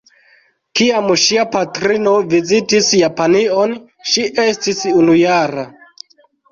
Kiam ŝia patrino vizitis Japanion, ŝi estis unujara.